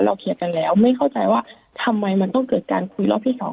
เคลียร์กันแล้วไม่เข้าใจว่าทำไมมันต้องเกิดการคุยรอบที่สอง